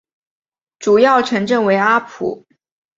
主要城镇为阿普。